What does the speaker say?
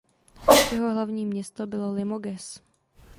Jeho hlavní město bylo Limoges.